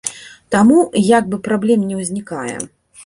Таму, як бы, праблем не ўзнікае.